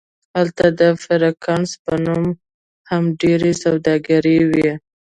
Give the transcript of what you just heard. هلته د فرانکس په نوم هم ډیرې سوداګرۍ وې